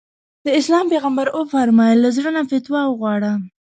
د اسلام پيغمبر ص وفرمايل له زړه نه فتوا وغواړه.